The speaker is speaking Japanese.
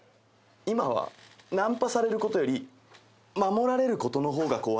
今はナンパされることより守られることの方が怖い。